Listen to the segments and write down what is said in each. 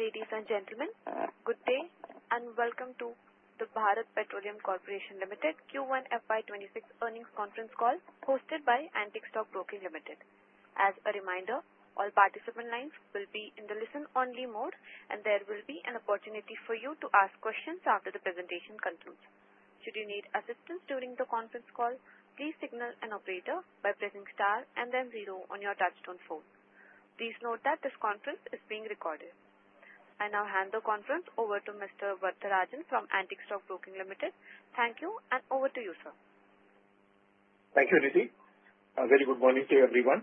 Ladies and gentlemen, good day, and welcome to the Bharat Petroleum Corporation Limited Q1 FY2026 earnings conference call hosted by Antique Stock Broking Limited. As a reminder, all participant lines will be in the listen-only mode, and there will be an opportunity for you to ask questions after the presentation concludes. Should you need assistance during the conference call, please signal an operator by pressing star and then zero on your touchtone phone. Please note that this conference is being recorded. I now hand the conference over to Mr. Varatharajan from Antique Stock Broking Limited. Thank you, and over to you, sir. Thank you, Lizzi. Very good morning to everyone.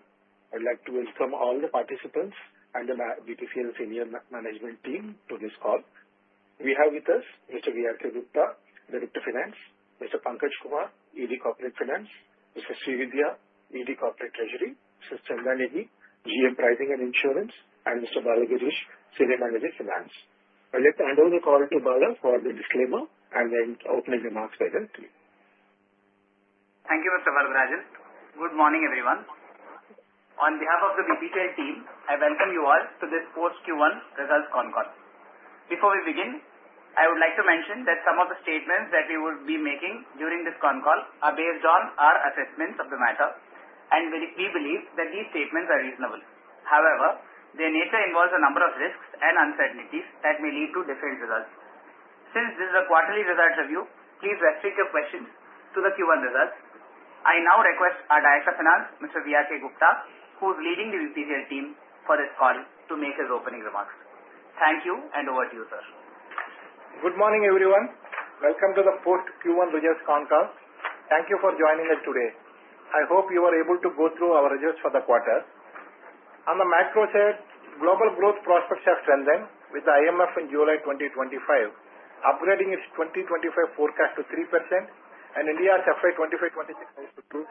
I'd like to welcome all the participants and the BPCL Senior Management Team to this call. We have with us Mr. V.R.K. Gupta, Director Finance, Mr. Pankaj Kumar, ED Corporate Finance, Ms. Srividya Vinjamuri, ED Corporate Treasury, Mr. Chandra Neddy, GM Pricing and Insurance, and Mr. Balagiri, Senior Manager Finance. I'd like to hand over the call to Balagiri for the disclaimer and then opening remarks later. Thank you, Mr. Varatharajan. Good morning, everyone. On behalf of the BPCL team, I welcome you all to this post-Q1 results call. Before we begin, I would like to mention that some of the statements that we will be making during this call are based on our assessments of the matter, and we believe that these statements are reasonable. However, their nature involves a number of risks and uncertainties that may lead to different results. Since these are quarterly results reviews, please restrict your questions to the Q1 results. I now request our Director Finance, Mr. V.R.K. Gupta, who is leading the BPCL team for this call, to make his opening remarks. Thank you, and over to you, sir. Good morning, everyone. Welcome to the post-Q1 results call. Thank you for joining us today. I hope you are able to go through our results for the quarter. On the macro side, global growth prospects are strengthened with the IMF in July 2025 upgrading its 2025 forecast to 3% and in the year's FY 2025-2026.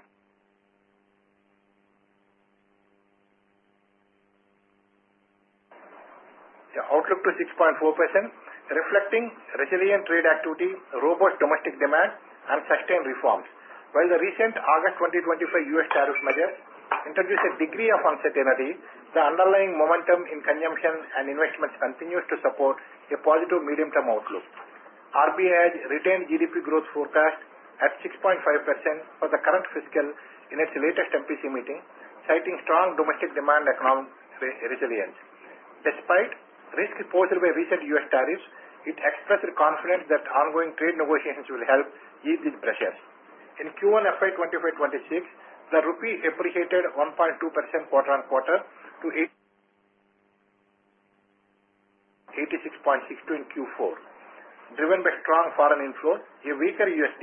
The outlook to 6.4% reflects resilient trade activity, robust domestic demand, and sustained reforms. While the recent August 2025 U.S. tariff measures introduced a degree of uncertainty, the underlying momentum in consumption and investments continues to support a positive medium-term outlook. RBI's retained GDP growth forecast at 6.5% for the current fiscal in its latest MPC meeting, citing strong domestic demand and economic resilience. Despite risks posed by recent U.S. tariffs, it expresses confidence that ongoing trade negotiations will help ease these pressures. In Q1 FY2025-2026, the rupee appreciated 1.2% quarter-on-quarter to 86.62 in Q4, driven by strong foreign inflow, a weaker USD,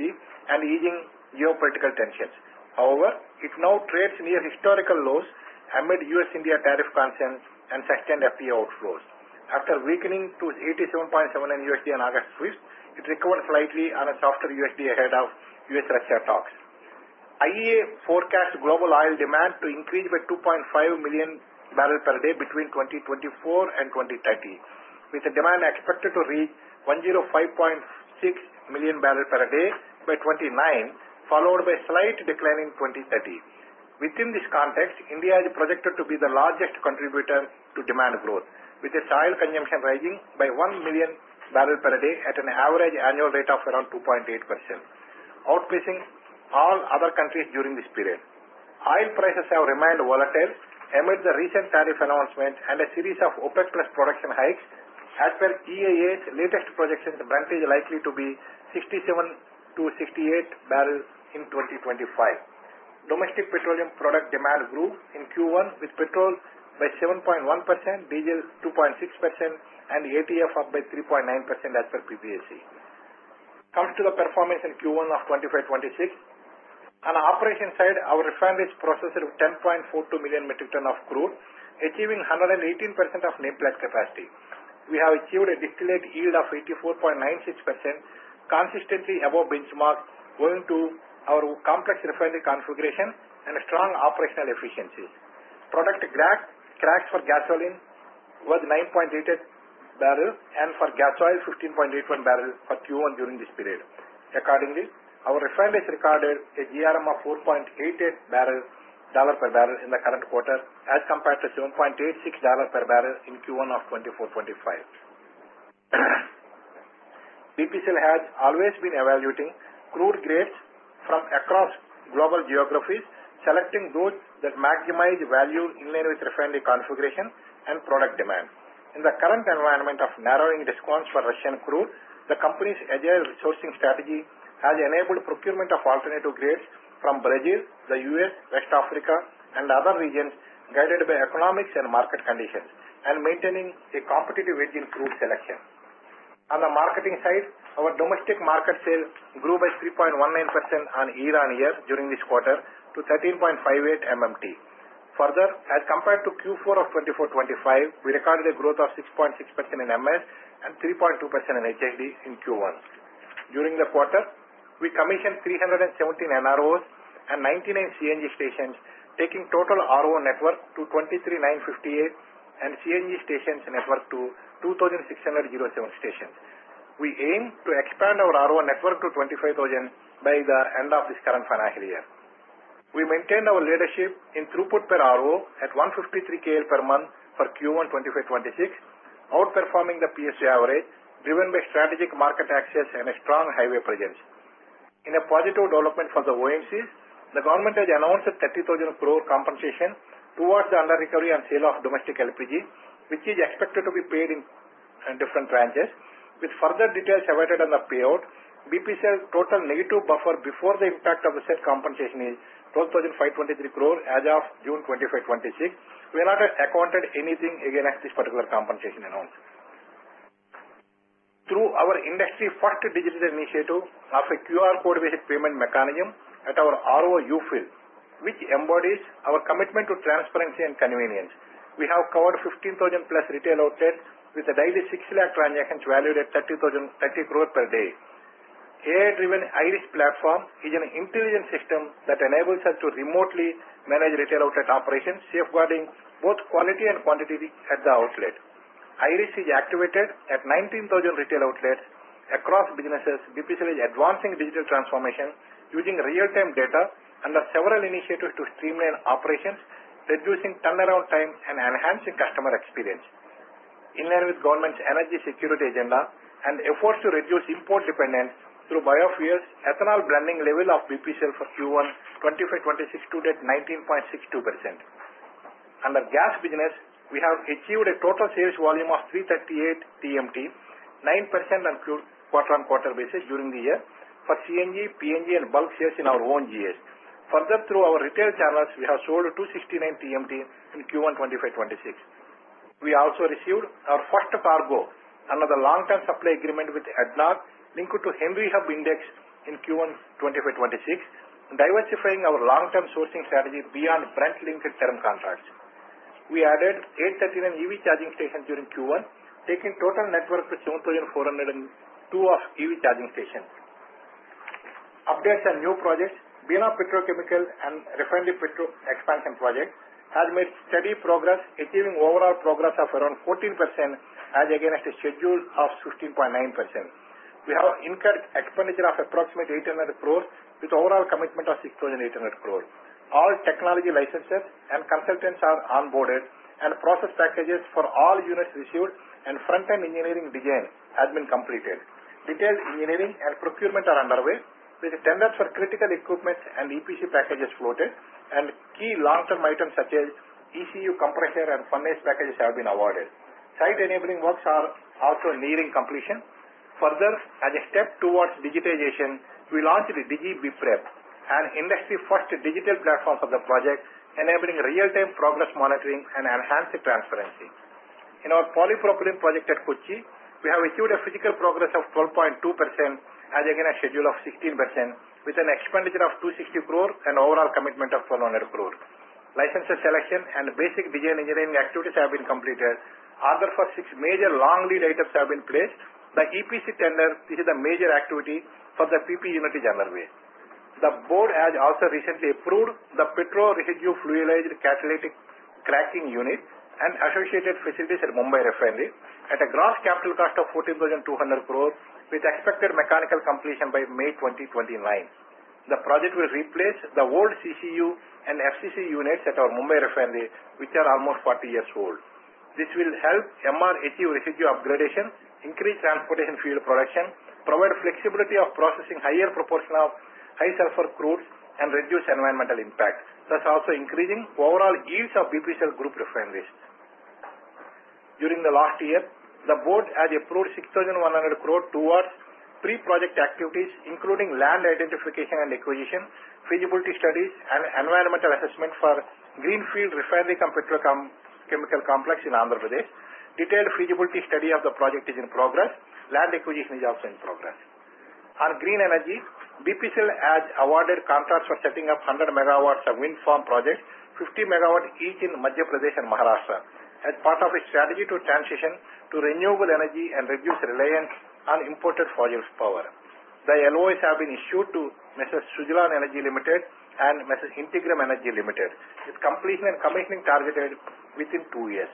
and easing geopolitical tensions. However, it now trades near historical lows amid U.S.-India tariff concerns and sustained FPI outflows. After weakening to $87.79 on August 5th, it recovered slightly on a softer USD ahead of U.S. reset talks. IEA forecasts global oil demand to increase by 2.5 million bbl per day between 2024 and 2030, with the demand expected to reach 105.6 million bbl per day by 2029, followed by a slight decline in 2030. Within this context, India is projected to be the largest contributor to demand growth, with its oil consumption rising by 1 million bbl per day at an average annual rate of around 2.8%, outpacing all other countries during this period. Oil prices have remained volatile amid the recent tariff announcement and a series of OPEC+ production hikes. As per GAA's latest projections, the bandwidth is likely to be 67-68 bbl in 2025. Domestic petroleum product demand grew in Q1 with petrol by 7.1%, diesel 2.6%, and ATF up by 3.9% as per PPAC. Comes to the performance in Q1 of FY 2025-2026. On the operation side, our refinery is processing 10.42 million metric tons of crude, achieving 118% of nameplate capacity. We have achieved a distillate yield of 84.96%, consistently above benchmarks, owing to our complex refinery configuration and strong operational efficiencies. Product crack spreads for gasoline was 9.88 dollars per bbl and for gas oil 15.81 dollars per bbl for Q1 during this period. Accordingly, our refinery has recorded a GRM of $4.88 per bbl in the current quarter, as compared to $7.86 per bbl in Q1 of FY 2024-2025. Bharat Petroleum Corporation Limited has always been evaluating crude grades from across global geographies, selecting those that maximize value in line with refinery configuration and product demand. In the current environment of narrowing response for Russian crude, the company's agile sourcing strategy has enabled procurement of alternative grades from Brazil, the U.S., West Africa, and other regions, guided by economics and market conditions, and maintaining a competitive edge in crude selection. On the marketing side, our domestic market sale grew by 3.19% year-on-year during this quarter to 13.58 million metric tons. Further, as compared to Q4 of FY 2024-2025, we recorded a growth of 6.6% in MMT and 3.2% in HSD in Q1. During the quarter, we commissioned 317 new retail outlets and 99 CNG stations, taking the total RO network to 23,958 and the CNG stations network to 2,607 stations. We aim to expand our RO network to 25,000 by the end of this current financial year. We maintain our leadership in throughput per RO at 153 KL per month for Q1 FY 2025-2026, outperforming the PSA average, driven by strategic market access and a strong highway presence. In a positive development from the OMCs, the government has announced 30,000 crore compensation towards the under-recovery and sale of domestic LPG, which is expected to be paid in different tranches. With further details highlighted on the payout, Bharat Petroleum Corporation Limited's total negative buffer before the impact of the sale compensation is 12,523 crore as of June FY 2025-2026. We have not accounted anything against this particular compensation announcement. Through our industry-first digital initiative of a QR code-based payment mechanism at our RO field, which embodies our commitment to transparency and convenience, we have covered 15,000+ retail outlets with a daily 600,000 transactions valued at 30,030 crore per day. The AI-driven IRIS platform is an intelligent system that enables us to remotely manage retail outlet operations, safeguarding both quality and quantity at the outlet. IRIS is activated at 19,000 retail outlets across businesses. Bharat Petroleum Corporation Limited is advancing digital transformation using real-time data under several initiatives to streamline operations, reducing turnaround times, and enhancing customer experience. In line with the government's energy security agenda and efforts to reduce import dependence through biofuels, ethanol blending level of BPCL for Q1 FY 2025-2026 to date is 19.62%. Under gas business, we have achieved a total sales volume of 338 TMT, 9% on crude quarter-on-quarter basis during the year for CNG, PNG, and bulk sales in our own GS. Further, through our retail channels, we have sold 269 TMT in Q1 FY 2025-2026. We also received our first cargo under the long-term supply agreement with ADNOC, linked to Henry Hub Index in Q1 FY 2025-2026, diversifying our long-term sourcing strategy beyond front-linked term contracts. We added 839 EV charging stations during Q1, taking total network to 7,402 EV charging stations. Updates on new projects, Bina Refinery and Petrochemical Expansion Project, have made steady progress, achieving overall progress of around 14% as against a schedule of 15.9%. We have incurred expenditure of approximately 800 crore, with overall commitment of 6,800 crore. All technology licenses and consultants are onboarded, and process packages for all units received and front-end engineering design have been completed. Detailed engineering and procurement are underway, with tenders for critical equipment and EPC packages floated, and key long-term items such as ECU compressor and furnace packages have been awarded. Site enabling works are also nearing completion. Further, as a step towards digitization, we launched the DigiBiPrep, an industry-first digital platform for the project, enabling real-time progress monitoring and enhanced transparency. In our polypropylene project at Kochi, we have achieved a physical progress of 12.2% as against a schedule of 16%, with an expenditure of 260 crore and overall commitment of 400 crore. License selection and basic design engineering activities have been completed. Orders for six major long-lead items have been placed. The EPC tender, this is a major activity for the PP unit in general way. The board has also recently approved the petrol residue fuel-aged catalytic cracking unit and associated facilities at Mumbai Refinery at a gross capital cost of 14,200 crore, with expected mechanical completion by May 2029. The project will replace the old CCU and FCC units at our Mumbai Refinery, which are almost 40 years old. This will help Mumbai Refinery achieve residue upgradation, increase transportation fuel production, provide flexibility of processing a higher proportion of high-sulfur crudes, and reduce environmental impact, thus also increasing overall yields of Bharat Petroleum Corporation Limited Group refineries. During the last year, the board has approved 6,100 crore toward pre-project activities, including land identification and acquisition, feasibility studies, and environmental assessment for Greenfield Refinery and Petrochemical Complex in Andhra Pradesh. Detailed feasibility study of the project is in progress. Land acquisition is also in progress. On green energy, Bharat Petroleum Corporation Limited has awarded contracts for setting up 100 megawatts of wind farm projects, 50 megawatts each in Madhya Pradesh and Maharashtra, as part of its strategy to transition to renewable energy and reduce reliance on imported fossil power. The LOAs have been issued to Sujalon Energy Limited and Integram Energy Limited, with completion and commissioning targeted within two years.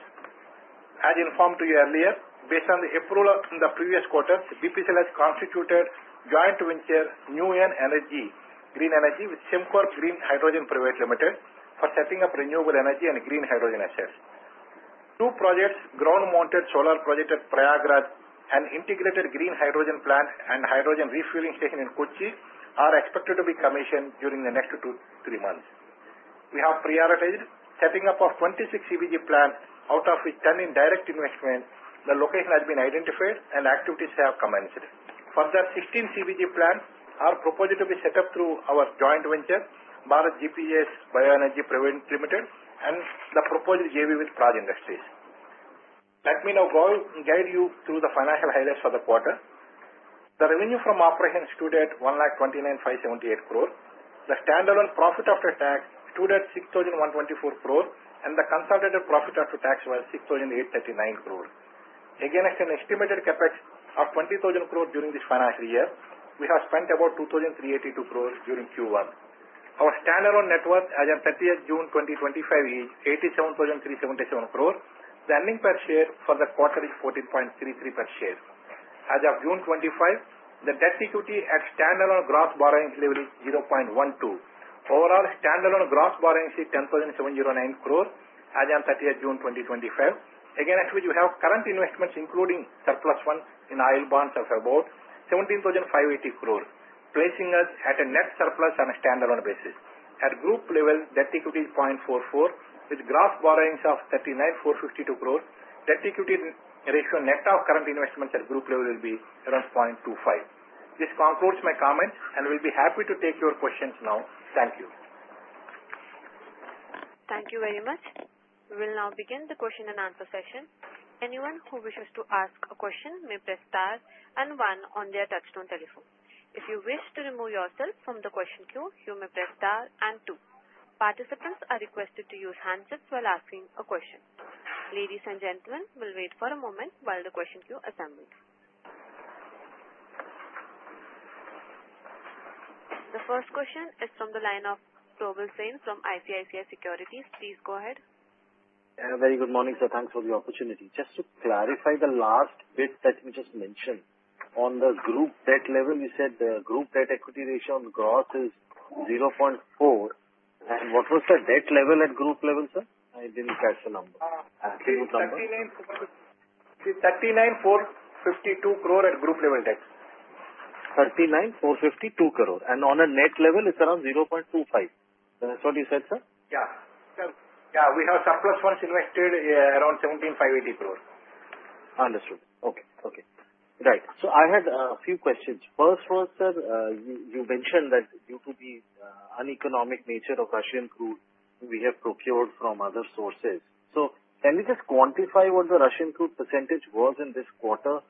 As informed to you earlier, based on the approval in the previous quarters, Bharat Petroleum Corporation Limited has constituted joint venture New Energy, Green Energy with Simcor Green Hydrogen Private Limited for setting up renewable energy and green hydrogen assets. Two projects, ground-mounted solar project at Prayagraj and integrated green hydrogen plant and hydrogen refueling station in Kochi, are expected to be commissioned during the next two to three months. We have prioritized setting up 26 CBG plants, out of which 10 in direct investment. The location has been identified and activities have commenced. Further, 16 CBG plants are proposed to be set up through our joint venture, Bharat GPS Bioenergy Private Limited, and the proposed JV with Praj Industries. Let me now guide you through the financial highlights of the quarter. The revenue from operations stood at 1,229,578 crore. The standalone profit after tax stood at 6,124 crore, and the consolidated profit after tax was 6,839 crore. Again, an estimated CapEx of 20,000 crore during this financial year, we have spent about 2,382 crore during Q1. Our standalone net worth as of June 30, 2025 is 87,377 crore. The earnings per share for the quarter is 14.33 per share. As of June 2025, the debt-to-equity at standalone gross borrowings leveraged 0.12. For our standalone gross borrowings is 10,709 crore as of June 30, 2025. Again, at which we have current investments, including surplus funds in oil bonds of about 17,580 crore, placing us at a net surplus on a standalone basis. At group level, debt-to-equity is 0.44, with gross borrowings of 39,452 crore. Debt-to-equity ratio net of current investments at group level will be around 0.25. This concludes my comment and will be happy to take your questions now. Thank you. Thank you very much. We will now begin the question and answer session. Anyone who wishes to ask a question may press star and one on their touchstone telephone. If you wish to remove yourself from the question queue, you may press star and two. Participants are requested to use handsets while asking a question. Ladies and gentlemen, we'll wait for a moment while the question queue assembles. The first question is from the line of Gaurav Sain from ICICI Securities. Please go ahead. Very good morning, sir. Thanks for the opportunity. Just to clarify the last bit that you just mentioned, on the group debt level, you said the group debt-to-equity ratio on growth is 0.4. What was the debt level at group level, sir? I didn't catch the number. 39,452 crore at group level debt. 39,452 crore. On a net level, it's around 0.25. That's what you said, sir? Yeah, sir. We have surplus funds invested around 17,580 crore. Understood. Okay, right. I had a few questions. First was, sir, you mentioned that due to the uneconomic nature of Russian crude, we have procured from other sources. Can you just quantify what the Russian crude % was in this quarter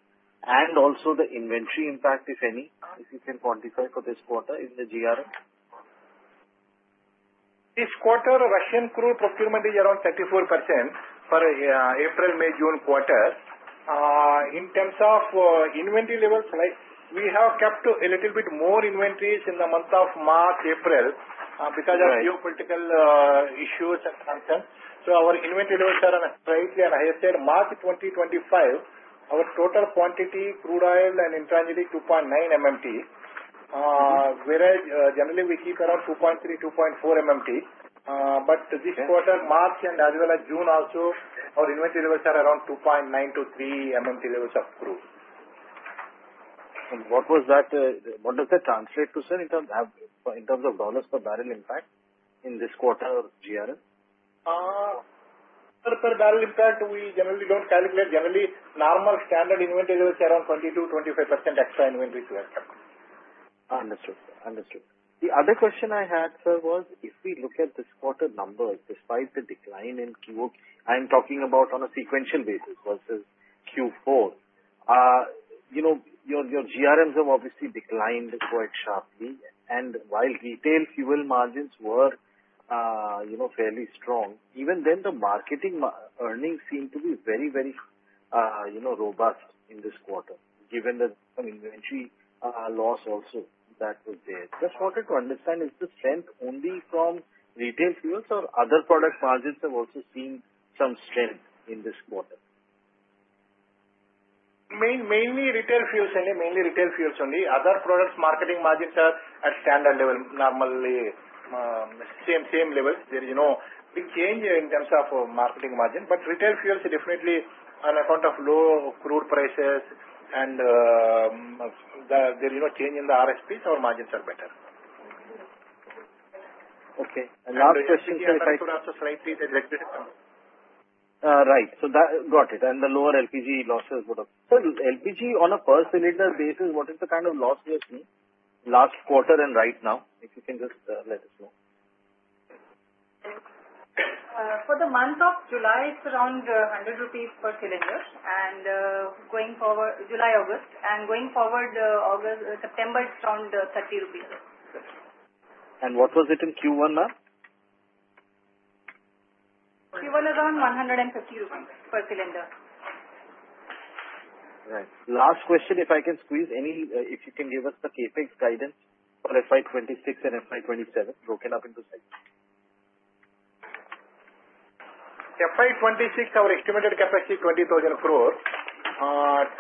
and also the inventory impact, if any, if you can quantify for this quarter in the GRM? This quarter, Russian crude procured maybe around 34% for April, May, June quarters. In terms of inventory levels, we have kept a little bit more inventories in the month of March, April because of geopolitical issues and concerns. Our inventory levels are currently, as I said, March 2025, our total quantity crude oil and intrinsic is 2.9 mmt, whereas generally we keep around 2.3, 2.4 mmt. This quarter, March as well as June also, our inventory levels are around 2.9-3 mmt levels of crude. What does that translate to, sir, in terms of dollars per bbl in fact in this quarter of GRM? Per bbl, in fact, we generally don't calculate. Generally, normal standard inventory levels are around 22%, 25% extra inventories were calculated. Understood, sir. Understood. The other question I had, sir, was if we look at this quarter number, despite the decline in Q2, I'm talking about on a sequential basis versus Q4. Your GRMs have obviously declined quite sharply. While retail fuel margins were fairly strong, even then the marketing earnings seemed to be very, very robust in this quarter, given the inventory loss also that was there. Just wanted to understand, is the strength only from retail fuels or have other product margins also seen some strength in this quarter? Mainly retail fuels, only mainly retail fuels. Only other products' marketing margins are at standard level, normally same levels. There is no big change in terms of marketing margin, but retail fuels definitely on account of low crude prices and the change in the RSPs, our margins are better. Okay. are not just thinking on pipelines or frankly the electric pumps. Right, got it. The lower LPG losses would have... Sir, LPG on a per cylinder basis, what is the kind of loss you have seen last quarter and right now? If you can just let us know. For the month of July, it's around 100 rupees per cylinder. Going forward, July, August, and going forward, September, it's around 30 rupees. What was it in Q1 now? Q1 is around 150 rupees per cylinder. Right. Last question, if I can squeeze any, if you can give us the capex guidance for FY 2026 and FY 2027 broken up into sites. FY 2026, our estimated capacity is 20,000 crore.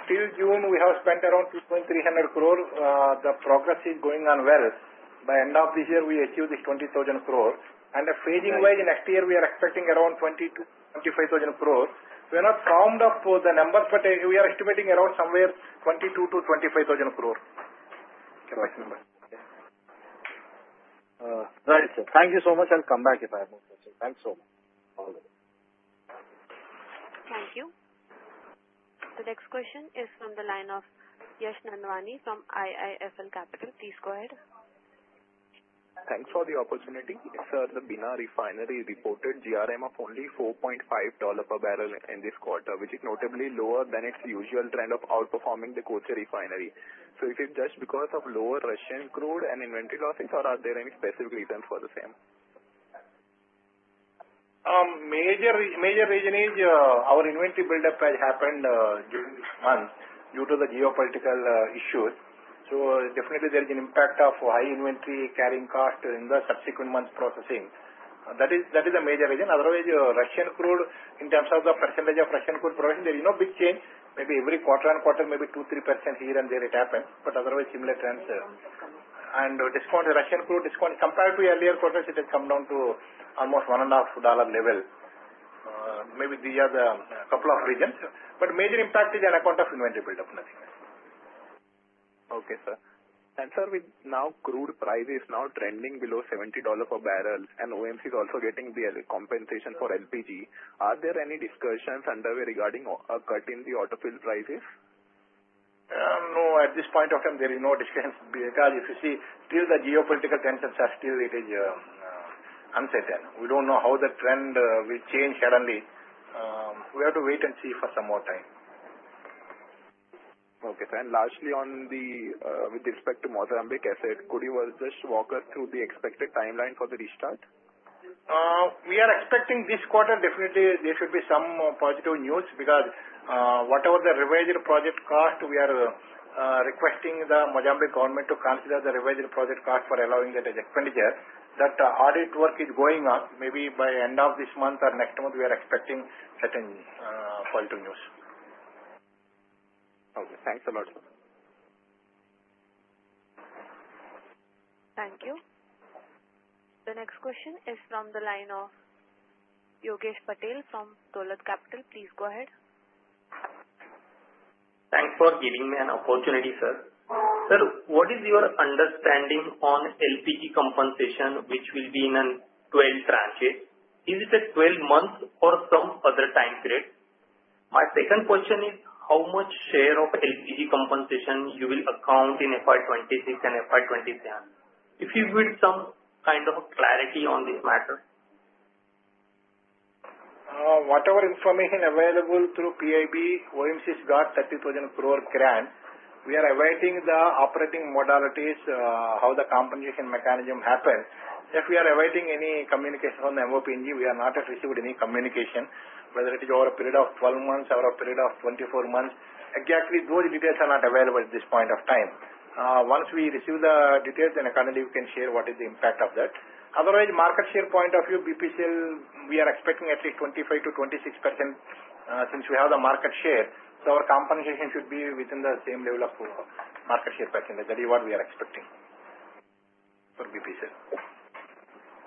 Till June, we have spent around 2,300 crore. The progress is going on well. By the end of this year, we achieve this 20,000 crore. The phasing-wise, next year, we are expecting around 22,000-25,000 crore. We are not from the numbers, but we are estimating around somewhere 22,000-25,000 crore. Right, sir. Thank you so much. I'll come back if I have more questions. Thanks so much. Thank you. The next question is from the line of Yash Nandwani from IIFL Capital. Please go ahead. Thanks for the opportunity. Sir, the Bina Refinery reported GRM of only $4.5 per bbl in this quarter, which is notably lower than its usual trend of outperforming the Kochi Refinery. Is it just because of lower Russian crude and inventory losses, or are there any specific reasons for the same? Major reason is our inventory buildup has happened during this month due to the geopolitical issues. There is an impact of high inventory carrying cost in the subsequent months processing. That is a major reason. Otherwise, Russian crude, in terms of the percentage of Russian crude production, there is no big change. Maybe every quarter-on-quarter, maybe 2%, 3% here and there it happens. Otherwise, similar trends. Discounted Russian crude discount compared to earlier quarters, it has come down to almost $1.5 level. Maybe these are the couple of reasons. Major impact is on account of inventory buildup, nothing else. Okay, sir. Sir, with now crude prices now trending below $70 per bbl and OMC is also getting the compensation for LPG, are there any discussions underway regarding a cut in the autofuel prices? No, at this point of time, there is no discussion because if you see, still the geopolitical tensions are still, it is uncertain. We don't know how the trend will change suddenly. We have to wait and see for some more time. Okay, sir. With respect to the Mozambique asset, could you just walk us through the expected timeline for the restart? We are expecting this quarter definitely there should be some positive news because whatever the revised project cost, we are requesting the Mozambique government to consider the revised project cost for allowing the expenditure. The audit work is going on. Maybe by the end of this month or next month, we are expecting certain positive news. Okay, thanks a lot. Thank you. The next question is from the line of Yogesh Patil from Dolat Capital. Please go ahead. Thanks for giving me an opportunity, sir. Sir, what is your understanding on LPG compensation, which will be in 12 tranches? Is it at 12 months or some other time period? My second question is how much share of LPG compensation you will account in FY 2026 and FY 2027? If you would, some kind of clarity on this matter. Whatever information available through PIB, OMC has got 13,000 crore grant. We are awaiting the operating modalities, how the compensation mechanism happens. We are awaiting any communication on the MoPNG, we have not received any communication, whether it is over a period of 12 months or a period of 24 months. Exactly, those details are not available at this point of time. Once we receive the details, then accordingly, we can share what is the impact of that. Otherwise, market share point of view, BPCL, we are expecting at least 25% to 26% since we have the market share. Our compensation should be within the same level of market share percentage. That is what we are expecting for BPCL.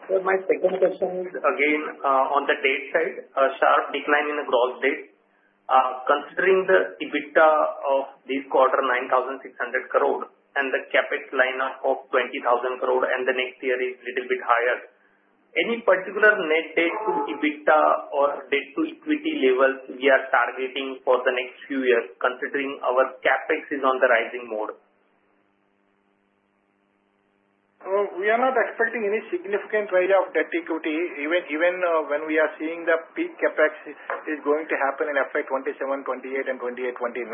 Sir, my second question is again on the debt side, a sharp decline in the gross debt. Considering the EBITDA of this quarter, 9,600 crore, and the CapEx lineup of 20,000 crore, and the next year is a little bit higher, any particular net debt to EBITDA or debt to equity levels we are targeting for the next few years, considering our CapEx is on the rising mode? We are not expecting any significant rise of debt-to-equity. Even when we are seeing the peak capex is going to happen in FY 2027-2028 and 2028-2029,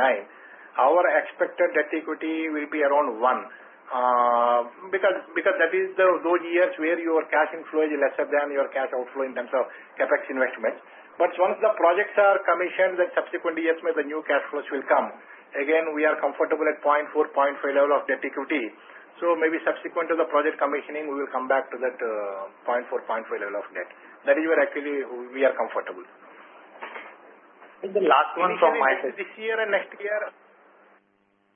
our expected debt-to-equity will be around 1 because that is those years where your cash inflow is lesser than your cash outflow in terms of capex investments. Once the projects are commissioned, in subsequent years maybe the new cash flows will come. We are comfortable at 0.4, 0.5 level of debt-to-equity. Maybe subsequent to the project commissioning, we will come back to that 0.4, 0.5 level of debt. That is where actually we are comfortable.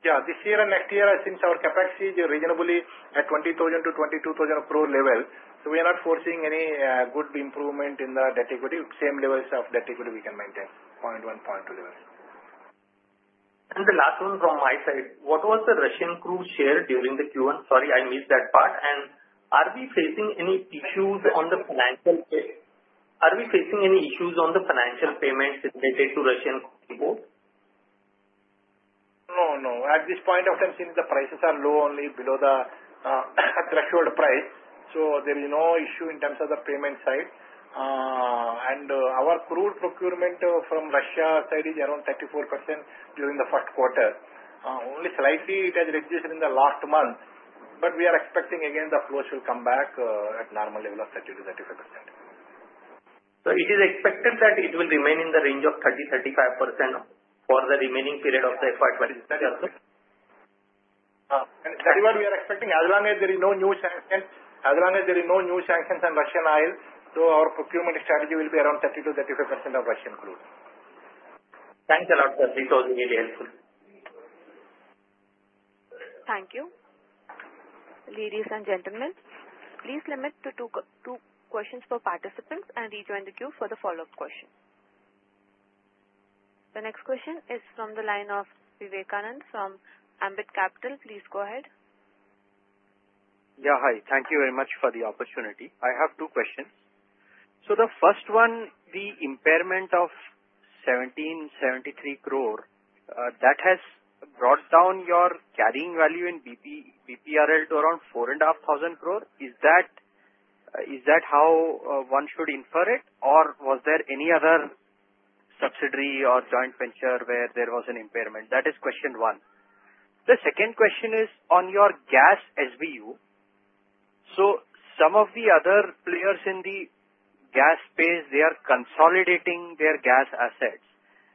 The last one from my side. This year and next year, this year and next year, since our CapEx is reasonably at 20,000 to 22,000 crore level, we are not foreseeing any good improvement in the debt-to-equity. Same levels of debt-to-equity we can maintain, 0.1, 0.2 levels. The last one from my side, what was the Russian crude share during Q1? Sorry, I missed that part. Are we facing any issues on the financial payments related to Russian crude import? At this point of time, since the prices are low, only below the threshold price, there is no issue in terms of the payment side. Our crude procurement from Russia is around 34% during the first quarter. Only slightly it has reduced in the last month, but we are expecting again the flows will come back at a normal level of 30% to 35%. Is it expected that it will remain in the range of 30%-35% for the remaining period of the FY 2020? That is what we are expecting. As long as there are no new sanctions on Russian oil, our procurement strategy will be around 30%-35% of Russian crude. Thanks a lot, sir. This was really helpful. Thank you. Ladies and gentlemen, please limit to two questions for participants and rejoin the queue for the follow-up questions. The next question is from the line of Vivekanand from Ambit Capital. Please go ahead. Yeah, hi. Thank you very much for the opportunity. I have two questions. The first one, the impairment of 1,773 crore, that has brought down your carrying value in BPRL to around 4,500 crore. Is that how one should infer it, or was there any other subsidiary or joint venture where there was an impairment? That is question one. The second question is on your gas SBU. Some of the other players in the gas space are consolidating their gas assets.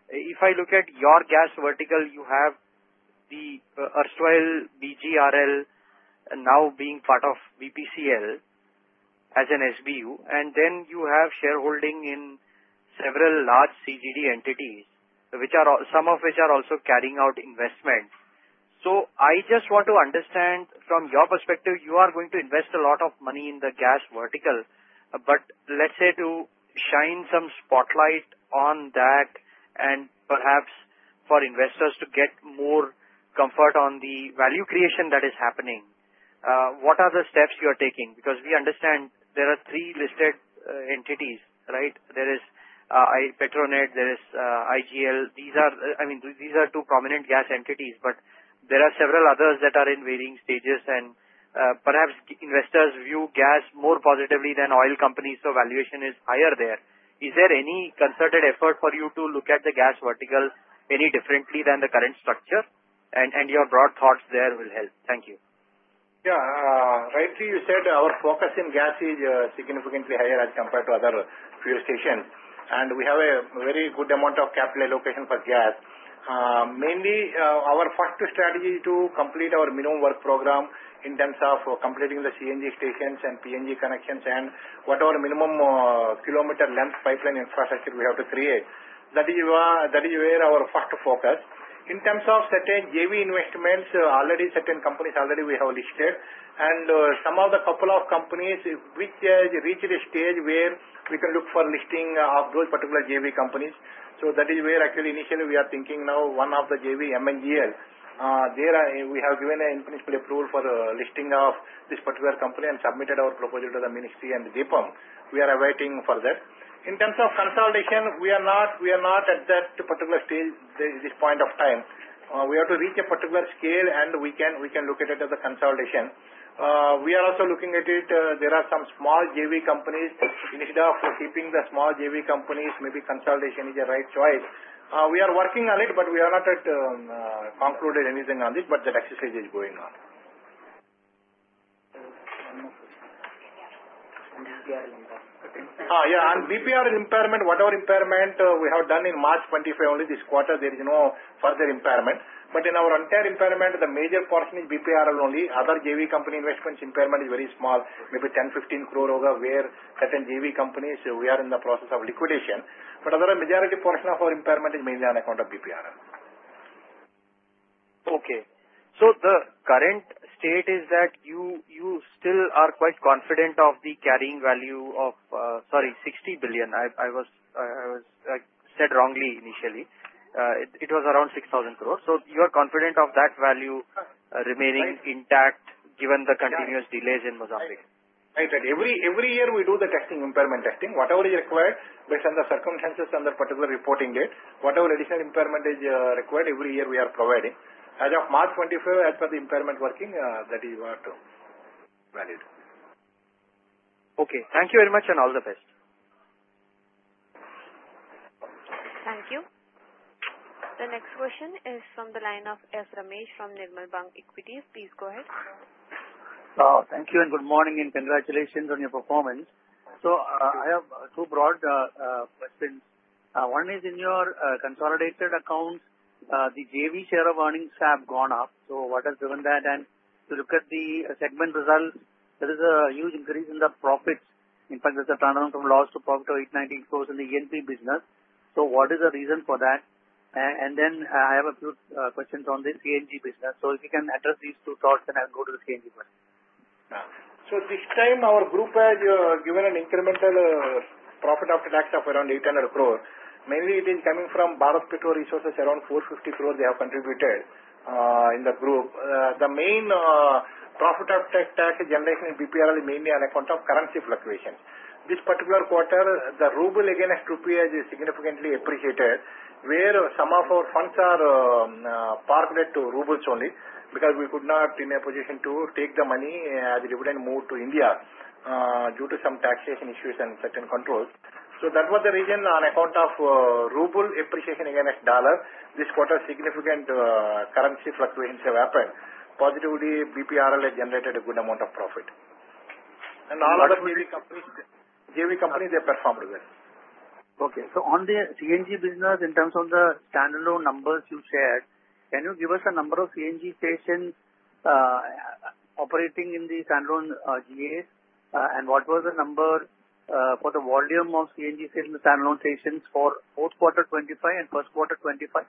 If I look at your gas vertical, you have the Ersoil BGRL now being part of BPCL as an SBU, and then you have shareholding in several large CGD entities, some of which are also carrying out investments. I just want to understand from your perspective, you are going to invest a lot of money in the gas vertical, but let's say to shine some spotlight on that and perhaps for investors to get more comfort on the value creation that is happening, what are the steps you are taking? We understand there are three listed entities, right? There is Petronet, there is IGL. These are, I mean, these are two prominent gas entities, but there are several others that are in varying stages, and perhaps investors view gas more positively than oil companies, so valuation is higher there. Is there any concerted effort for you to look at the gas vertical any differently than the current structure? Your broad thoughts there will help. Thank you. Yeah. Rightly you said our focus in gas is significantly higher as compared to other fuel stations, and we have a very good amount of capital allocation for gas. Mainly, our first strategy is to complete our minimum work program in terms of completing the CNG stations and PNG connections and what our minimum kilometer length pipeline infrastructure we have to create. That is where our first focus is. In terms of certain JV investments, already certain companies already we have listed, and some of the couple of companies which reached a stage where we can look for listing of those particular JV companies. That is where actually initially we are thinking now one of the JV MNGL. We have given an imprintable approval for listing of this particular company and submitted our proposal to the ministry and the DIPAM. We are awaiting further. In terms of consolidation, we are not at that particular stage at this point of time. We are to reach a particular scale, and we can look at it as a consolidation. We are also looking at it. There are some small JV companies. Instead of keeping the small JV companies, maybe consolidation is the right choice. We are working on it, but we have not concluded anything on it, but that exercise is going on. Yeah. Yeah. BPRL impairment, whatever impairment we have done in March 2025, only this quarter there is no further impairment. In our entire impairment, the major portion is BPRL only. Other JV company investments impairment is very small, maybe 10 crore, INR 15 crore, where certain JV companies we are in the process of liquidation. The majority portion of our impairment is mainly on account of BPRL. Okay. The current state is that you still are quite confident of the carrying value of, sorry, 60 billion. I said wrongly initially. It was around 6,000 crore. You are confident of that value remaining intact given the continuous delays in Mozambique. Right. Every year we do the testing, impairment testing. Whatever is required based on the circumstances and the particular reporting date, whatever additional impairment is required, every year we are providing. As of March 2025, as per the impairment working, that is what valued. Okay, thank you very much and all the best. Thank you. The next question is from the line of S. Ramesh from Nirmal Bang Equities. Please go ahead. Thank you and good morning and congratulations on your performance. I have two broad questions. One is in your consolidated accounts, the JV share of earnings have gone up. What has driven that? To look at the segment results, there is a huge increase in the profits. In fact, there's a turnaround from loss to profit of 819 crore in the E&P business. What is the reason for that? I have a few questions on the CNG business. If you can address these two thoughts, I'll go to the CNG business. At this time, our group has given an incremental profit after tax of around 800 crore. Mainly, it is coming from Bharat PetroResources, around 450 crore they have contributed in the group. The main profit after tax generation in BPRL is mainly on account of currency fluctuation. This particular quarter, the ruble against rupee has significantly appreciated, where some of our funds are parked to rubles only because we could not be in a position to take the money as the dividend moved to India due to some taxation issues and certain controls. That was the reason on account of ruble appreciation against dollar. This quarter, significant currency fluctuations have happened. Positively, BPRL has generated a good amount of profit. All other JV companies performed well. Okay. On the CNG business, in terms of the standalone numbers you shared, can you give us a number of CNG stations operating in the standalone GAs? What was the number for the volume of CNG stations in the standalone stations for both quarter 2025 and first quarter 2025?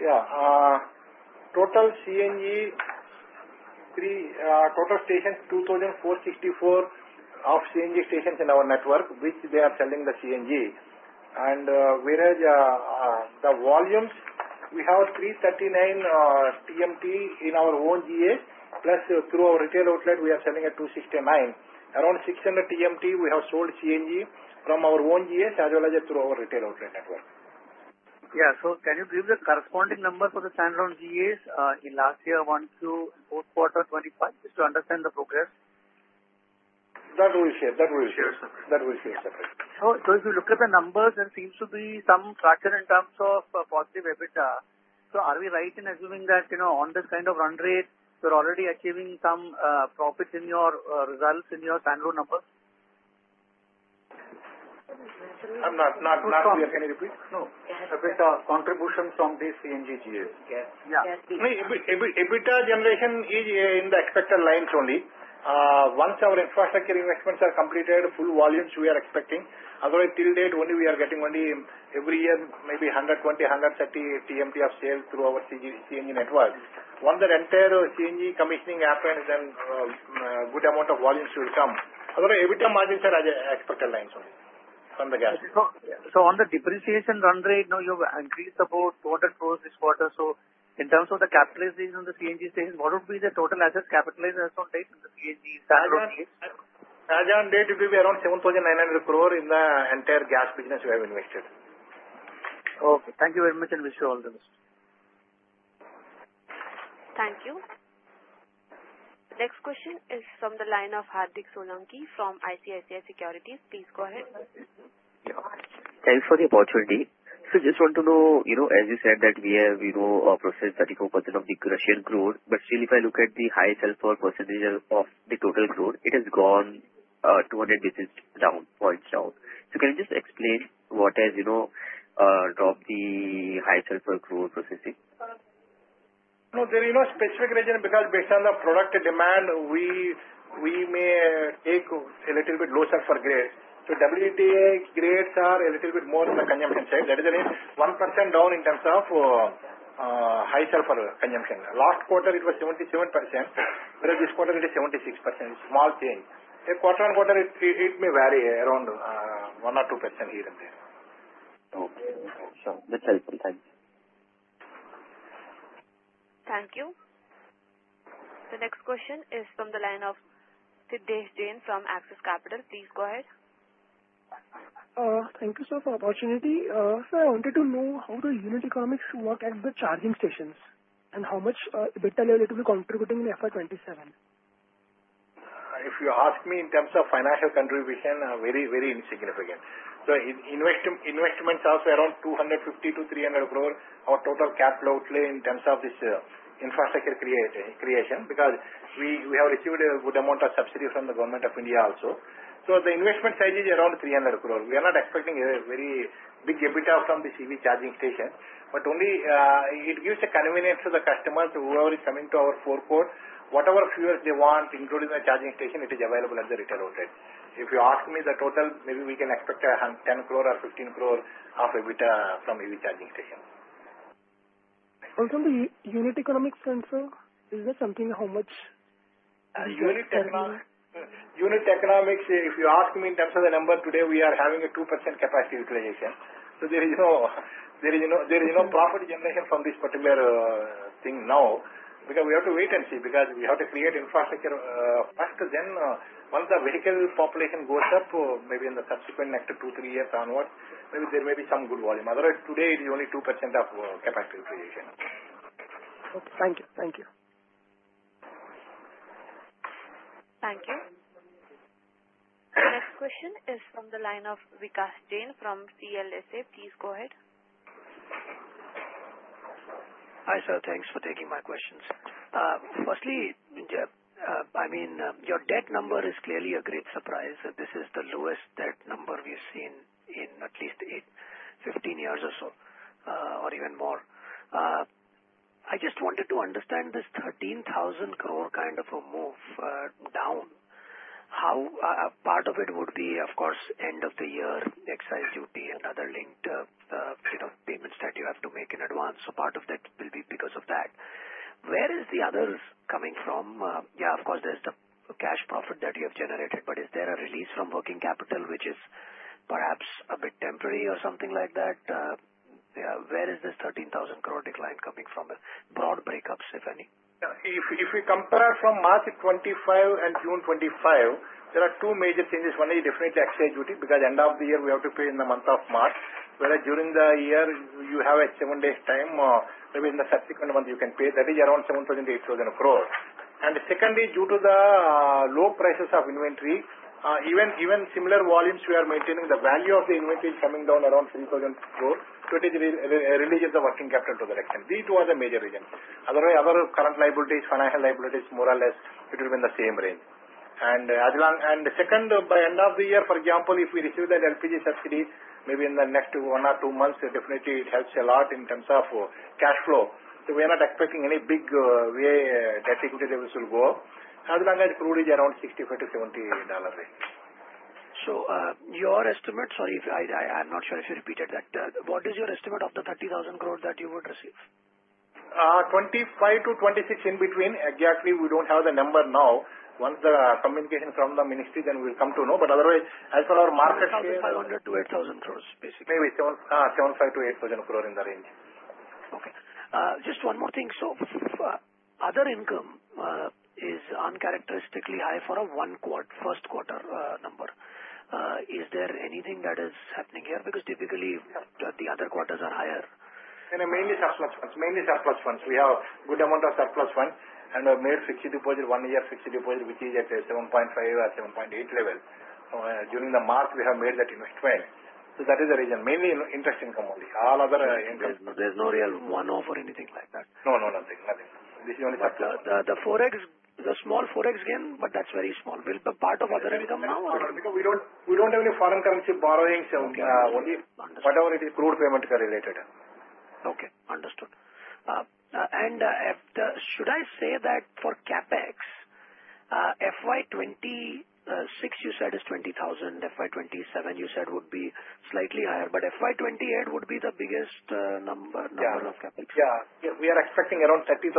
Yeah. Total CNG, total stations 2,464 of CNG stations in our network, which they are selling the CNG. The volumes, we have 339 TMT in our own GS, plus through our retail outlet, we are selling at 269. Around 600 TMT we have sold CNG from our own GS as well as through our retail outlet network. Can you give the corresponding number for the standalone GAs in last year Q1 through Q4 FY25 just to understand the progress? That we shared. If you look at the numbers, there seems to be some fraction in terms of positive EBITDA. Are we right in assuming that on this kind of run rate, you're already achieving some profits in your results in your standalone numbers? I'm not clear. Can you repeat? No. EBITDA contribution from these CNG GAs. Yeah. EBITDA generation is in the expected lines only. Once our infrastructure investments are completed, full volumes we are expecting. Otherwise, till date we are getting only every year maybe 120, 130 TMT of sale through our CNG network. Once that entire CNG commissioning happens, then a good amount of volumes will come. Otherwise, EBITDA margins are as expected lines only from the gases. On the depreciation run rate, now you have increased about 200 crore this quarter. In terms of the capitalization on the CNG stations, what would be the total asset capitalization on the CNG side? As on date, it will be around 7,900 crore in the entire gas business we have invested. Okay, thank you very much and wish you all the best. Thank you. Next question is from the line of Hardik Solanki from ICICI Securities. Please go ahead. Thanks for the opportunity. I just want to know, as you said that we have processed 34% of the crude shared growth, but still, if I look at the highest sell for % of the total growth, it has gone 200 basis points down. Can you just explain what has dropped the highest sell for crude processing? No, there is no specific reason because based on the product demand, we may take a little bit lower sell for grade. WTA grades are a little bit more on the consumption side. That is a 1% down in terms of high sell for consumption. Last quarter, it was 77%, whereas this quarter, it is 76%. It's a small change. quarter-on-quarter, it may vary around 1% or 2% here and there. Thank you. The next question is from the line of Siddhesh Jain from Axis Capital. Please go ahead. Thank you, sir, for the opportunity. Sir, I wanted to know how the unit economics work at the charging stations and how much EBITDA level it will be contributing in FY 2027. If you ask me in terms of financial contribution, very, very insignificant. Investments are around 250-300 crore, our total capital outlay in terms of this infrastructure creation because we have achieved a good amount of subsidy from the Government of India also. The investment size is around 300 crore. We are not expecting a very big EBITDA from the EV charging station, but only it gives a convenience to the customer whoever is coming to our forecourt. Whatever fuels they want, including the charging station, it is available at the retail outlet. If you ask me the total, maybe we can expect 10 crore or 15 crore of EBITDA from EV charging stations. Also, the unit economics center, is there something, how much? Unit economics, if you ask me in terms of the number, today we are having a 2% capacity utilization. There is no profit generation from this particular thing now because we have to wait and see, because we have to create infrastructure first. Once the vehicle population goes up, maybe in the subsequent next two, three years onwards, maybe there may be some good volume. Otherwise, today it is only 2% of capacity utilization. Thank you. Thank you. Thank you. Next question is from the line of Vikash Jain from CLSA. Please go ahead. Hi, sir. Thanks for taking my questions. Firstly, your debt number is clearly a great surprise. This is the lowest debt number we've seen in at least 15 years or so, or even more. I just wanted to understand this 13,000 crore kind of a move down. How part of it would be, of course, end of the year excise duty and other linked payments that you have to make in advance. Part of that will be because of that. Where is the others coming from? Of course, there's the cash profit that you have generated, but is there a release from working capital, which is perhaps a bit temporary or something like that? Where is this 13,000 crore decline coming from? Broad breakups, if any? If we compare from March 2025 and June 2025, there are two major changes. One is definitely excise duty because at the end of the year, we have to pay in the month of March, whereas during the year, you have a seven days' time, or maybe in the subsequent month, you can pay. That is around 7,800 crore. Secondly, due to the low prices of inventory, even similar volumes we are maintaining, the value of the inventory is coming down around 7,000 crore. It really is a working capital to the return. These two are the major reasons. Otherwise, other current liabilities, financial liabilities, more or less, it will be in the same range. As long, and second, by the end of the year, for example, if we receive that LPG subsidy, maybe in the next one or two months, definitely it helps a lot in terms of cash flow. We are not expecting any big way debt equity levels will go. As long as crude is around $65-$70 range. I'm not sure if you repeated that. What is your estimate of the 30,000 crore that you would receive? 25 to 26 in between. Exactly, we don't have the number now. Once the communication from the ministry, then we'll come to know. Otherwise, as per our market. 7,500-8,000 crores, basically. Maybe 7,500-8,000 crore in the range. Just one thing. For other income, it is uncharacteristically high for a first quarter number. Is there anything that is happening here? Typically, the other quarters are higher. Mainly surplus funds. We have a good amount of surplus funds and have made fixed deposit one year, fixed deposit, which is at 7.5% at 7.8% level. During the month, we have made that investment. That is the reason. Mainly interest income only. All other income. There's no real one-off or anything like that. No, nothing. This is only for. The small forex gain, but that's very small, will be part of other income now? No, no, no. We don't have any foreign currency borrowings. Only whatever is crude payment-related. Okay. Understood. Should I say that for CapEx, FY 2026, you said is 20,000. FY 2027, you said would be slightly higher, but FY 2028 would be the biggest number in terms of CapEx. Yeah. We are expecting around 30,000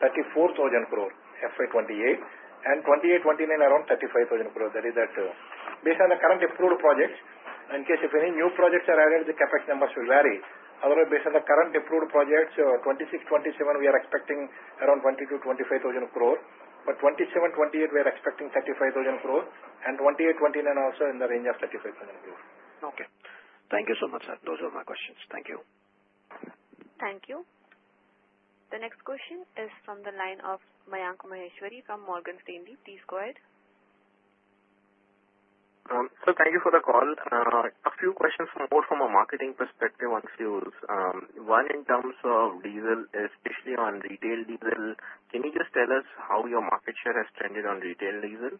crore for FY 2028, INR 34,000 crore for FY 2028, and for 2028-2029, around 35,000 crore. That is based on the current approved projects. In case any new projects are added, the CapEx numbers will vary. Otherwise, based on the current approved projects, for 2026-2027, we are expecting around 22,000 to 25,000 crore. For 2027-2028, we are expecting 35,000 crore, and for 2028-2029 also in the range of 35,000 crore. Okay. Thank you so much, sir. Those are my questions. Thank you. Thank you. The next question is from the line of Mayank Maheshwari from Morgan Stanley. Please go ahead. Thank you for the call. A few questions more from a marketing perspective on fuels. One, in terms of diesel, especially on retail diesel, can you just tell us how your market share has trended on retail diesel?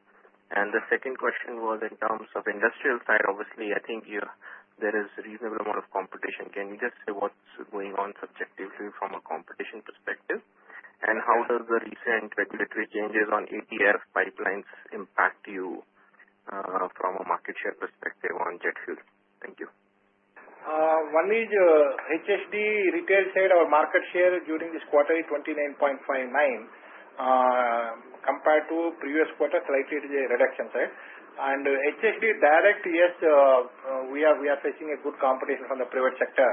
The second question was in terms of the industrial side. Obviously, I think there is a reasonable amount of competition. Can you just say what's going on subjectively from a competition perspective? How do the recent regulatory changes on ATF pipelines impact you from a market share perspective on jet fuel? Thank you. One is HSD retail side. Our market share during this quarter is 29.59% compared to previous quarter, slightly reduction side. HSD direct, yes, we are facing a good competition from the private sector.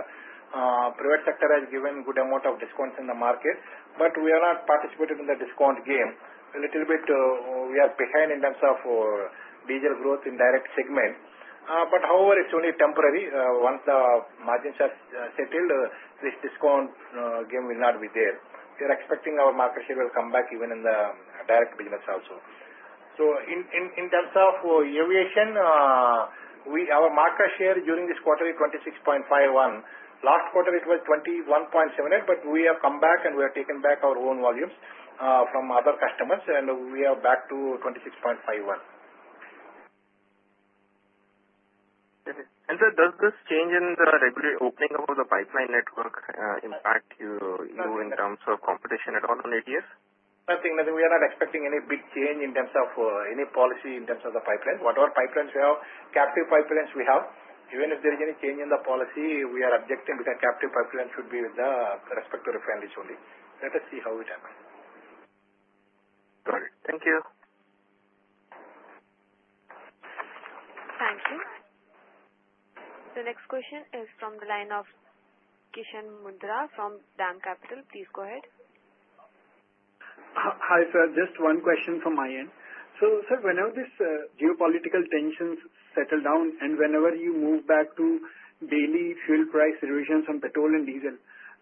Private sector has given a good amount of discounts in the market, but we are not participating in the discount game. A little bit we are behind in terms of diesel growth in direct segment. However, it's only temporary. Once the margins are settled, this discount game will not be there. We are expecting our market share will come back even in the direct business also. In terms of aviation, our market share during this quarter is 26.51%. Last quarter, it was 21.78%, but we have come back and we have taken back our own volumes from other customers, and we are back to 26.51%. Sir, does this change in the regular opening of the pipeline network impact you in terms of competition at all on ATF? Nothing. We are not expecting any big change in terms of any policy in terms of the pipeline. Whatever pipelines we have, captive pipelines we have, even if there is any change in the policy, we are objecting because captive pipelines should be with the respective refineries only. Let us see how it happens. Thank you. The next question is from the line of Kishan Mundhra from DAM Capital. Please go ahead. Hi, sir. Just one question from my end. Sir, whenever these geopolitical tensions settle down and whenever you move back to daily fuel price revisions on petrol and diesel,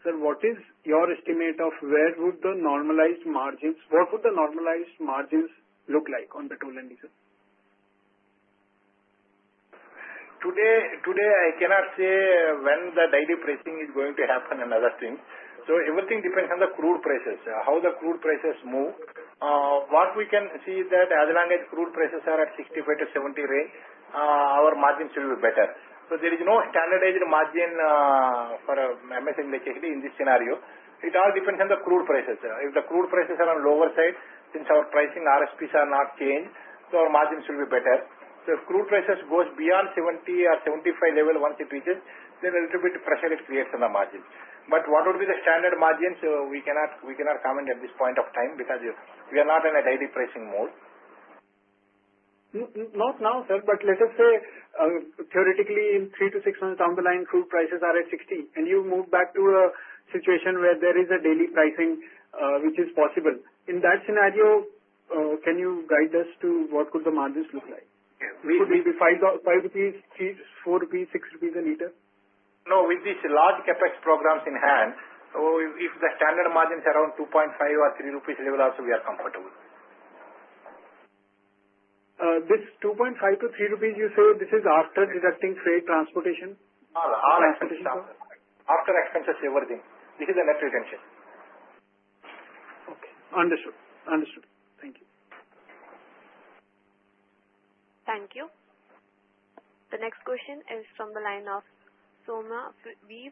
sir, what is your estimate of where would the normalized margins, what would the normalized margins look like on petrol and diesel? Today, I cannot say when the daily pricing is going to happen and other things. Everything depends on the crude prices, how the crude prices move. What we can see is that as long as crude prices are at $65-$70 range, our margins will be better. There is no standardized margin for MSN electricity in this scenario. It all depends on the crude prices. If the crude prices are on the lower side, since our pricing RSPs are not changed, our margins will be better. If crude prices go beyond $70 or $75 level once it reaches, then a little bit of pressure it creates on the margins. What would be the standard margins? We cannot comment at this point of time because we are not in a daily pricing mode. Not now, sir, but let's say theoretically in three to six months down the line, crude prices are at $60 and you move back to a situation where there is a daily pricing which is possible. In that scenario, can you guide us to what could the margins look like? We could be. Should it be 5 rupees, 4 rupees, 6 rupees a liter? No, with these large CapEx programs in hand, if the standard margins are around 2.5 or 3 rupees level, also we are comfortable. This 2.5 to 3 rupees, you say this is after deducting freight transportation? All expenses, after expenses, everything. This is a net retention. Understood. Understood. Thank you. Thank you. The next question is from the line of Soma V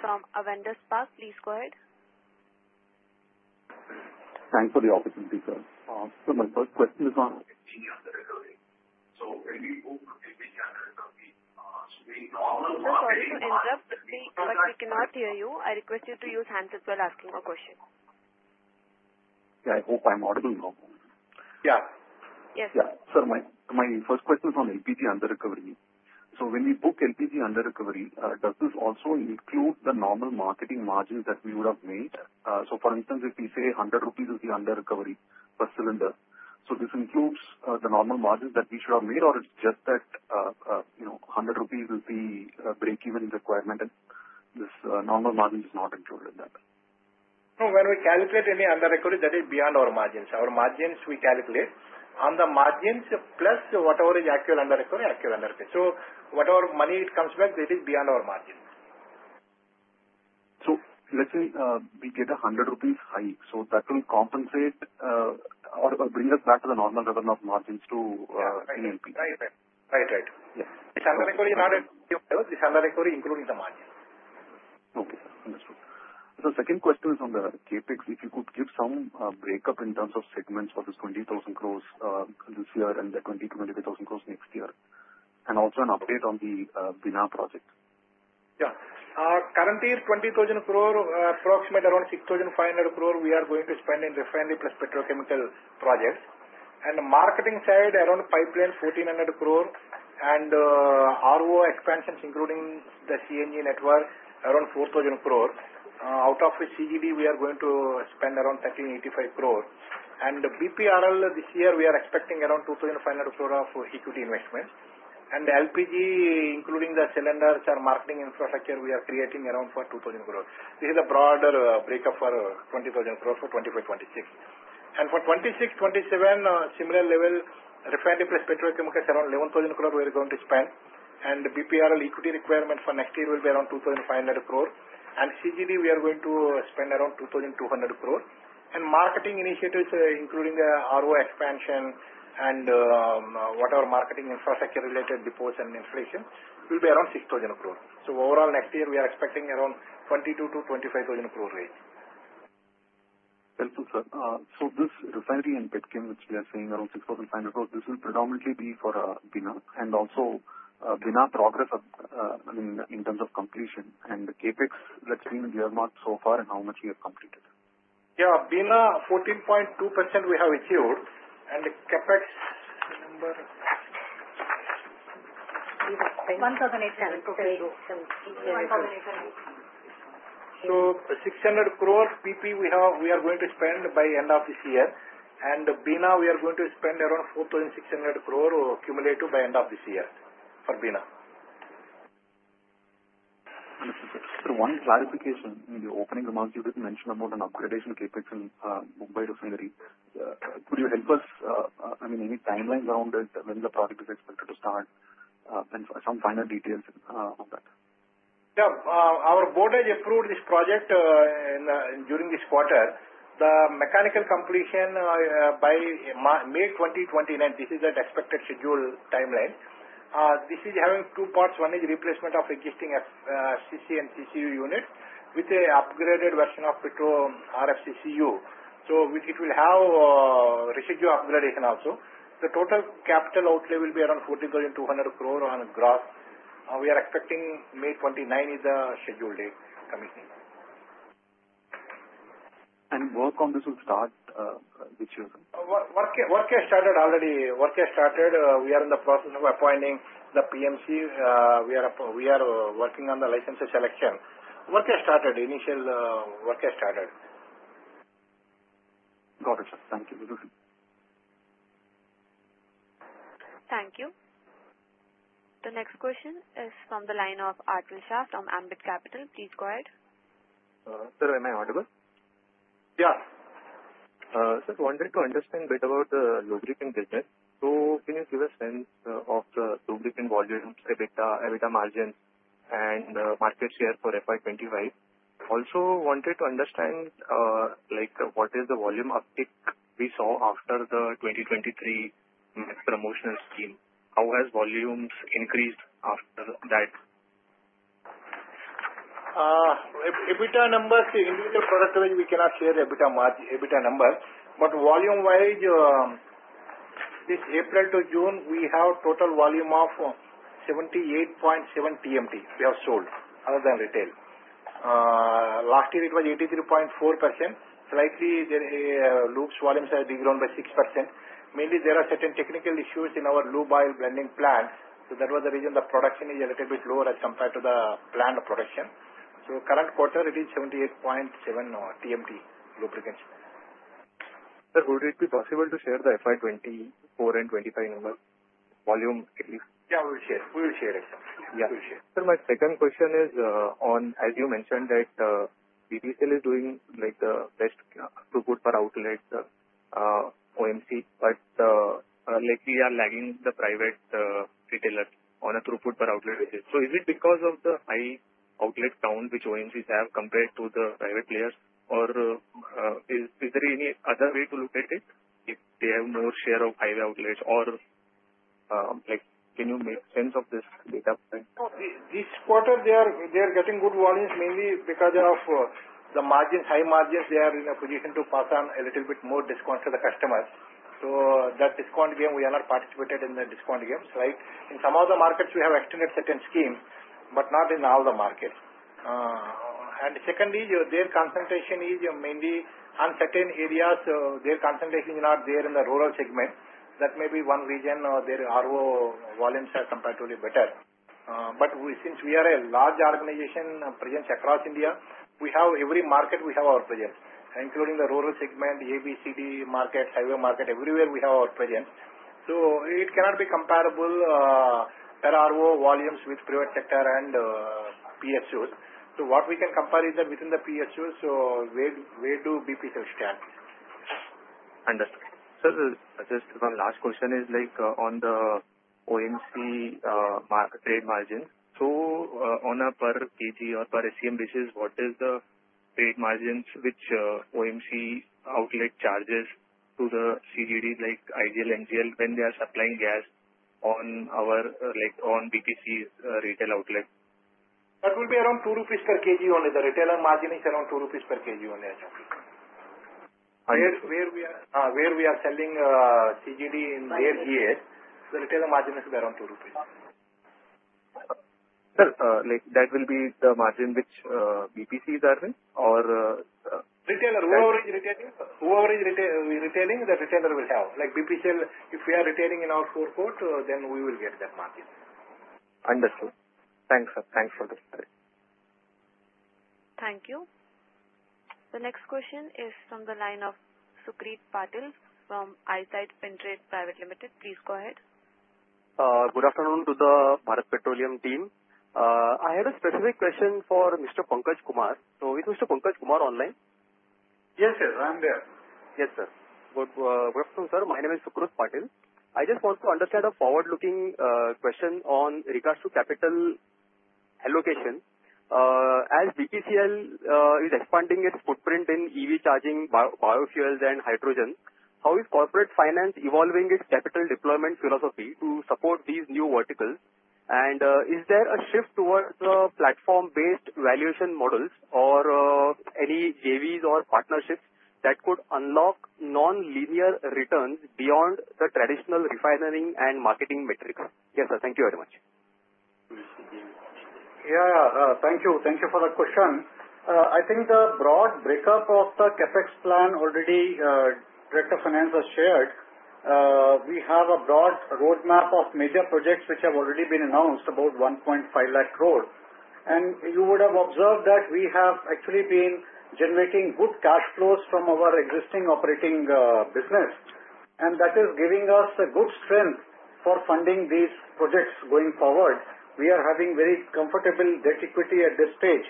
from Avendus. Please go ahead. Thanks for the opportunity, sir. My first question is on LPG under recovery. Sir, sorry to interrupt, but we cannot hear you. I request you to use hands if you are asking a question. Yeah, I hope I'm audible now. Yes. Yeah. Sir, my first question is on LPG under recovery. When we book LPG under recovery, does this also include the normal marketing margins that we would have made? For instance, if we say 100 rupees will be under recovery per cylinder, does this include the normal margins that we should have made or just that 100 rupees will be a break-even requirement and this normal margin is not included in that? No, when we calculate any under recovery, that is beyond our margins. Our margins we calculate on the margins plus whatever is actual under recovery, actual under recovery. Whatever money it comes back, that is beyond our margins. Let's say we get a 100 rupees high, that will compensate or bring us back to the normal level of margins to any LPG? Right, right, right. Yeah. It's under recovery, not at. Yep. Yes, it's under recovery, including the margins. Okay, sir. Understood. The second question is on the capex. If you could give some breakup in terms of segments for this 20,000 crores this year and the 20,000-25,000 crores next year, and also an update on the Bina Refinery and Petrochemical Expansion project. Yeah. Currently, 20,000 crore, approximately around 6,500 crore, we are going to spend in refinery plus petrochemical projects. On the marketing side, around pipeline 1,400 crore, and RO expansions including the CNG network, around 4,000 crore. Out of CBG, we are going to spend around 1,385 crore. For BPRL this year, we are expecting around 2,500 crore of equity investments. For LPG, including the cylinders and marketing infrastructure, we are creating around 4,000 crore. This is a broader breakup for 20,000 crore for 2025-2026. For 2026-2027, similar level, refinery plus petrochemical, around 11,000 crore we are going to spend. The BPRL equity requirement for next year will be around 2,500 crore. For CBG, we are going to spend around 2,200 crore. Marketing initiatives, including the RO expansion and whatever marketing infrastructure-related depots and installation, will be around 6,000 crore. Overall, next year, we are expecting around 22,000-25,000 crore range. Helpful, sir. This refinery and petrol, which we are saying around 6,500 crore, this will predominantly be for Bina and also Bina progress, I mean, in terms of completion and the CapEx, let's see where we are so far and how much we have completed. Yeah, Bina, 14.2% we have achieved, and the CapEx number. 1,008. We have 600 crore PP we are going to spend by the end of this year, and for Bina, we are going to spend around 4,600 crore cumulative by the end of this year. Understood, sir. One clarification, in the opening remarks, you did mention about an upgradation CapEx in Mumbai Refinery. Could you help us, I mean, any timeline around that, when the project is expected to start, and some final details on that? Yeah. Our board has approved this project during this quarter. The mechanical completion by May 2029, this is the expected schedule timeline. This is having two parts. One is replacement of existing FCC and CCU units with an upgraded version of petrol RFCCU. It will have residual upgradation also. The total capital outlay will be around 14,200 crore on a graph. We are expecting May 2029 is the scheduled date. Work on this will start, which is? Work has started already. We are in the process of appointing the PMC and are working on the licensor selection. Initial work has started. Got it, sir. Thank you. Thank you. The next question is from the line of Achal Shah from Ambit Capital. Please go ahead. Sir, am I audible? Yeah. Sir, I wanted to understand a bit about the lubricant business. Can you give a sense of the lubricant volumes, EBITDA, EBITDA margin, and market share for FY 25? Also, I wanted to understand what is the volume uptick we saw after the 2023 mass promotional scheme. How have volumes increased after that? EBITDA numbers, in the product line, we cannot share EBITDA numbers. Volume-wise, this April to June, we have a total volume of 78.7 TMTs we have sold other than retail. Last year, it was 83.4%. The lube volumes have declined by 6%. Mainly, there are certain technical issues in our lube oil blending plant. That was the reason the production is a little bit lower as compared to the planned production. The current quarter, it is 78.7 TMT lubricants. Sir, would it be possible to share the FY 2024 and 2025 number volume at least? Yeah, we will share it. Yeah, we’ll share. Sir, my second question is on, as you mentioned, that BPCL is doing like the best throughput for outlets, OMC, but we are lagging the private retailers on a throughput per outlet basis. Is it because of the high outlets count which OMCs have compared to the private players? Is there any other way to look at it if they have more share of highway outlets? Can you make sense of this data? This quarter, they are getting good volumes mainly because of the high margins. They are in a position to pass on a little bit more discounts to the customers. That discount game, we are not participating in the discount games, right? In some of the markets, we have extended certain schemes, but not in all the markets. Secondly, their concentration is mainly in certain areas. Their concentration is not there in the rural segment. That may be one reason their RO volumes are comparatively better. Since we are a large organization, presence across India, we have every market, we have our presence, including the rural segment, ABCD market, highway market, everywhere we have our presence. It cannot be comparable, the RO volumes with private sector and PHU. What we can compare is that within the PHU, so where do BPCL stand? Understood. Sir, just one last question is on the OMC trade margin. On a per kg or per SCM basis, what is the trade margin which OMC outlet charges to the CGDs like IGL, MGL when they are supplying gas on our, like, on BPCL retail outlet? That will be around 2 rupees per kg only. The retailer margin is around 2 rupees per kg only, I'm sorry. Where we are, where we are selling CGD in their GS, the retailer margin is around 2 rupees. Sir, like that will be the margin which BPCL is earning or? Retailer. Whoever is retailing, the retailer will have. Like BPCL, if we are retailing in our forecourt, then we will get that margin. Understood. Thanks, sir. Thanks for the story. Thank you. The next question is from the line of Sucrit Patil from Eyesight Fintrade Private Limited. Please go ahead. Good afternoon to the Bharat Petroleum team. I have a specific question for Mr. Pankaj Kumar. Is Mr. Pankaj Kumar online? Yes, sir. I'm there. Yes, sir. Welcome, sir. My name is Sucrit Patil. I just want to understand a forward-looking question in regards to capital allocation. As BPCL is expanding its footprint in EV charging, biofuels, and hydrogen, how is Corporate Finance evolving its capital deployment philosophy to support these new verticals? Is there a shift towards the platform-based valuation models or any JVs or partnerships that could unlock nonlinear returns beyond the traditional refinery and marketing metrics? Yes, sir. Thank you very much. Thank you. Thank you for the question. I think the broad breakup of the capex plan already Director Finance has shared. We have a broad roadmap of major projects which have already been announced, about 1.5 lakh crore. You would have observed that we have actually been generating good cash flows from our existing operating business, and that is giving us a good strength for funding these projects going forward. We are having very comfortable debt-to-equity at this stage.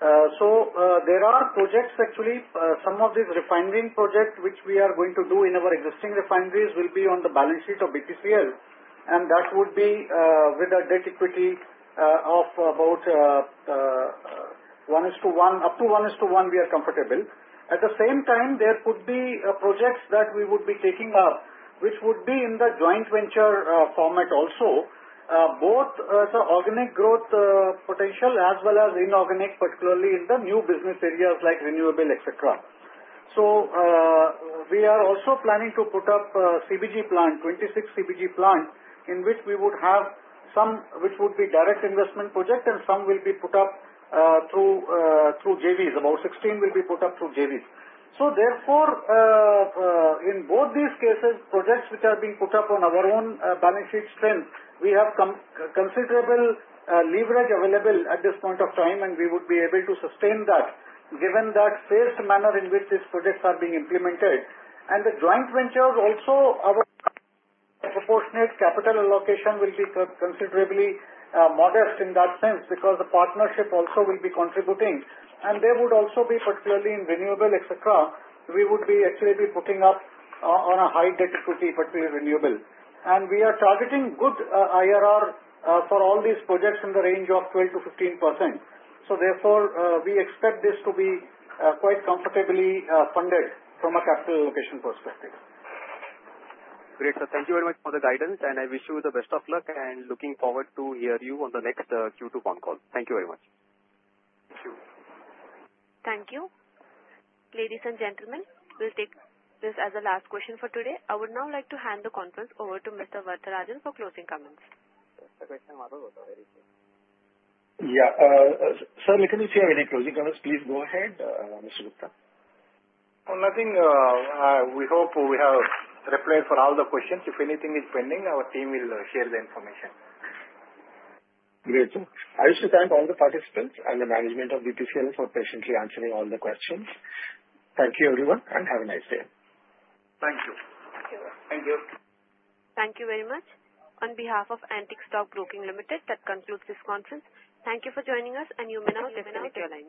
There are projects, actually, some of these refinery projects which we are going to do in our existing refineries will be on the balance sheet of BPCL. That would be with a debt-to-equity of about 1:1, up to 1:1, we are comfortable. At the same time, there could be projects that we would be taking up, which would be in the joint venture format also, both the organic growth potential as well as inorganic, particularly in the new business areas like renewable, etc. We are also planning to put up a CBG plant, 26 CBG plants in which we would have some which would be direct investment projects and some will be put up through JVs. About 16 will be put up through JVs. Therefore, in both these cases, projects which are being put up on our own balance sheet strength, we have considerable leverage available at this point of time, and we would be able to sustain that given that phased manner in which these projects are being implemented. The joint ventures also, our proportionate capital allocation will be considerably modest in that sense because the partnership also will be contributing. There would also be, particularly in renewable, etc., we would be actually putting up on a high debt-to-equity, particularly renewable. We are targeting good IRR for all these projects in the range of 12%-5%. Therefore, we expect this to be quite comfortably funded from a capital allocation perspective. Great, sir. Thank you very much for the guidance. I wish you the best of luck and look forward to hearing you on the next Q2 phone call. Thank you very much. Thank you. Thank you. Ladies and gentlemen, we'll take this as the last question for today. I would now like to hand the conference over to Mr. Varatharajan for closing comments. Yeah. Sir, let me see if you have any closing comments. Please go ahead, Mr. Gupta. Nothing. We hope we have replied for all the questions. If anything is pending, our team will share the information. Great. Sir, I wish to thank all the participants and the management of BPCL for patiently answering all the questions. Thank you, everyone, and have a nice day. Thank you. Thank you. Thank you. Thank you very much. On behalf of Antique Stock Broking Limited, that concludes this conference. Thank you for joining us, and you may now give an outro now.